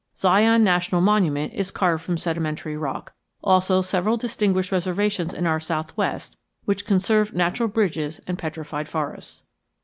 Zion National Monument is carved from sedimentary rock; also several distinguished reservations in our southwest which conserve natural bridges and petrified forests.